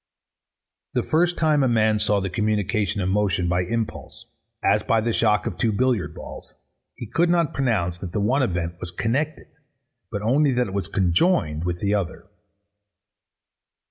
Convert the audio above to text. The first time a man saw the communication of motion by impulse, as by the shock of two billiard balls, he could not pronounce that the one event was connected: but only that it was conjoined with the other.